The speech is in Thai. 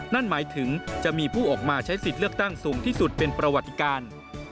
นั่นหมายถึงจะมีผู้ออกมาใช้สิทธิ์เลือกตั้งสูงที่สุดเป็นประวัติการ